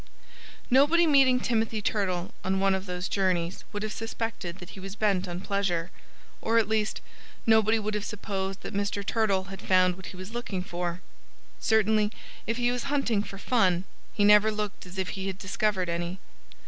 Nobody meeting Timothy Turtle on one of those journeys would have suspected that he was bent on pleasure. Or at least, nobody would have supposed that Mr. Turtle had found what he was looking for. Certainly if he was hunting for fun, he never looked as if he had discovered any.